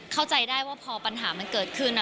เข้าใจได้ว่าพอปัญหามันเกิดขึ้น